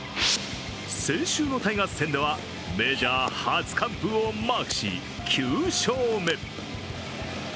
先週のタイガース戦ではメジャー初完封をマークし９勝目。